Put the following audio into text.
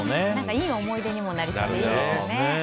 いい思い出にもなりそうですよね。